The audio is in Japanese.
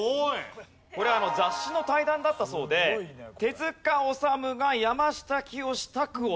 これ雑誌の対談だったそうで手治虫が山下清宅を訪ねた。